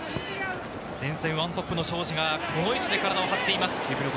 前線１トップの庄司がこの位置で体を張っています。